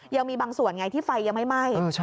ยังมีบางส่วนไงที่ไฟยังไม่ไหม้